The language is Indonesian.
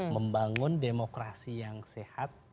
membangun demokrasi yang sehat